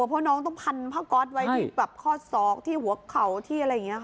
เพราะน้องต้องพันผ้าก๊อตไว้ที่แบบข้อศอกที่หัวเข่าที่อะไรอย่างนี้ค่ะ